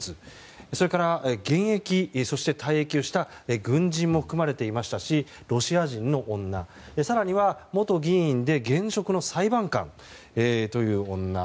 それから現役、そして退役をした軍人も含まれていましたしロシア人の女、更には元議員で現職の裁判官の女。